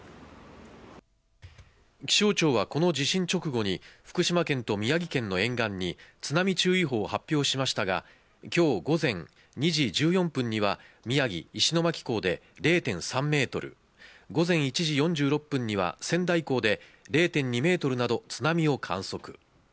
気象庁はこの地震直後に福島県と宮城県の沿岸に津波注意報を発表しましたが、今日午前２時１４分には宮城・石巻港で０．３メートル、午前１時４６分には仙台港で０．２メートルなど、津波を観測。